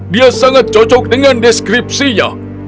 dia sangat cocok dengan deskripsinya